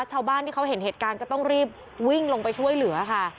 ชาวบ้านที่เขาเห็นเหตุการณ์ก็ต้องรีบวิ่งลงไปช่วยเหลือค่ะ